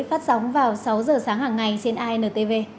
phát sóng vào sáu h sáng hàng ngày trên antv